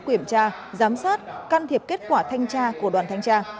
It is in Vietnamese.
kiểm tra giám sát can thiệp kết quả thanh tra của đoàn thanh tra